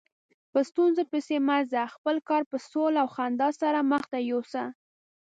په ستونزو پسې مه ځه، خپل کار په سوله او خندا سره مخته یوسه.